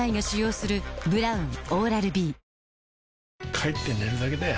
帰って寝るだけだよ